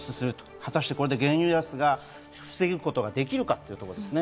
果たしてこれで原油安を防ぐことができるかということですね。